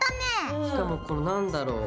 しかもこのなんだろう